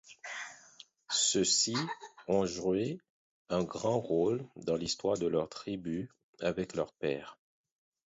Ceux-ci ont joué un grand rôle dans l'histoire de leur tribu avec leur père.